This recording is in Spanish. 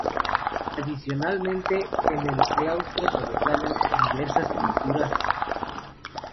Adicionalmente, en el claustro sobresalen diversas pinturas.